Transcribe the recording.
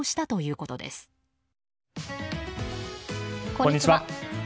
こんにちは。